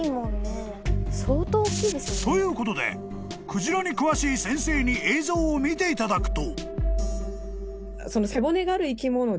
［ということでクジラに詳しい先生に映像を見ていただくと］